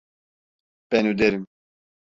Ben öderim.